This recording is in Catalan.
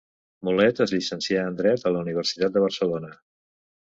Mulet es llicencià en dret a la Universitat de Barcelona.